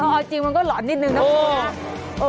เอาจริงมันก็หลอนนิดหนึ่งนะครู